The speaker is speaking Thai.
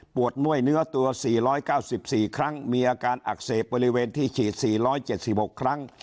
ม่วยเนื้อตัว๔๙๔ครั้งมีอาการอักเสบบริเวณที่ฉีด๔๗๖ครั้ง